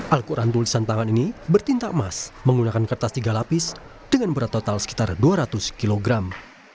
al quran tulisan tangan ini bertintak emas menggunakan kertas tiga lapis dengan berat total sekitar dua ratus kilogram